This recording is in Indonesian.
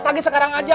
tagih sekarang aja